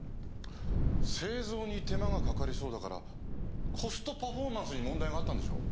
製造に手間がかかりそうだからコストパフォーマンスに問題があったんでしょう。